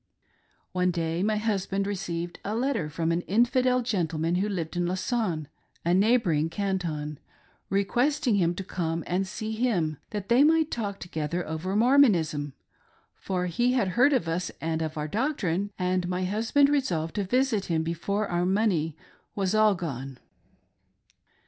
One day my husband received a letter from an infidel gen tleman who lived in Lausanne — a neighboring canton — re questing him to come and see him, that they might talk together over Mormonism, for he had heard of us and of our doctrine, and my husband resolved to visit him before our money was all gone.